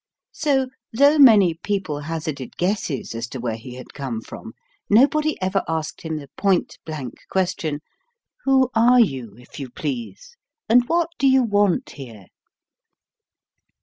So, though many people hazarded guesses as to where he had come from, nobody ever asked him the point blank question: Who are you, if you please, and what do you want here?